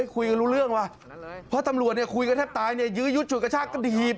คุยกันรู้เรื่องว่ะเพราะตำรวจเนี่ยคุยกันแทบตายเนี่ยยื้อยุดฉุดกระชากกระดีบ